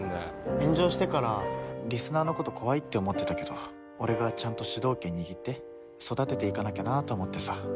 炎上してからリスナーのこと怖いって思ってたけど俺がちゃんと主導権握って育てていかなきゃなと思ってさ。